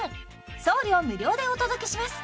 送料無料でお届けします